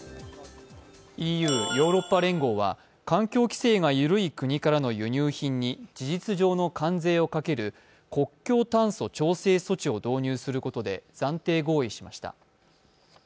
ＥＵ＝ヨーロッパ連合は環境規制が緩い国からの輸入品に事実上の関税をかける国境炭素調整措置を導入することで暫定合意しました。